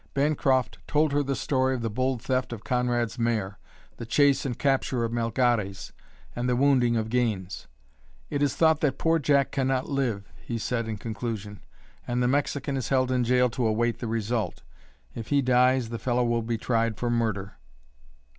Bancroft told her the story of the bold theft of Conrad's mare, the chase and capture of Melgares, and the wounding of Gaines. "It is thought that poor Jack cannot live," he said in conclusion, "and the Mexican is held in jail to await the result. If he dies the fellow will be tried for murder."